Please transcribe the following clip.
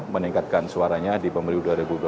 meningkatkan suaranya di pemilu dua ribu dua puluh